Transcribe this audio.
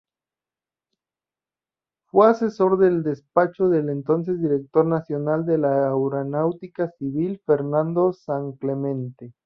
Fue asesor del despacho del entonces director nacional de la Aeronáutica Civil, Fernando Sanclemente.